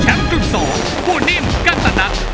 แชมป์กลุ่มสองผู้นิ่มกันตะนัก